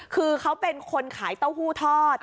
คือเขาเป็นคนขายเต้าหู้ทอด